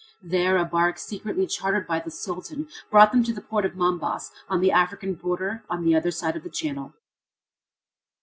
There a bark secretly chartered by the Sultan brought them to the port of Mombas, on the African border on the other side of the channel.